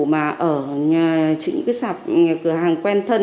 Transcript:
mà ở những cái cửa hàng quen thân